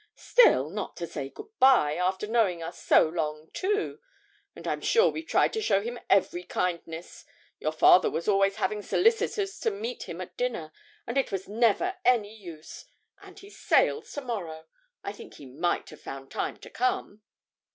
'Still, not to say good bye after knowing us so long, too! and I'm sure we've tried to show him every kindness. Your father was always having solicitors to meet him at dinner, and it was never any use; and he sails to morrow. I think he might have found time to come!'